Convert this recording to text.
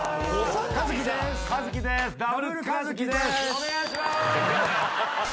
お願いします！